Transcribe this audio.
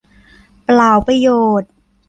เปล่าประโยชน์